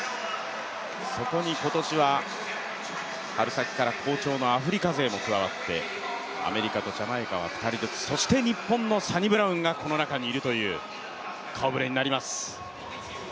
そこに今年は春先から好調のアフリカ勢も加わって、アメリカとジャマイカが２人ずつ、そして日本のサニブラウンがこの中にいるという顔ぶれになります。